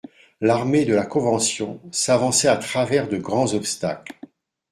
L'armée de la Convention s'avançait à travers de grands obstacles.